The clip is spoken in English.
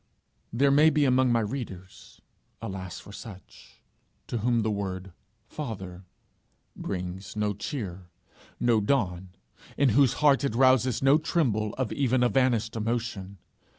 There may be among my readers alas for such! to whom the word Father brings no cheer, no dawn, in whose heart it rouses no tremble of even a vanished emotion.